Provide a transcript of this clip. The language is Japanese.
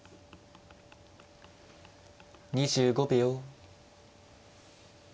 ２５秒。